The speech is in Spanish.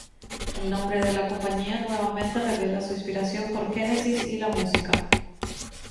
El nombre de la compañía nuevamente revela su inspiración por Genesis y la música.